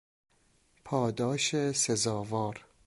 پاداش سزاوار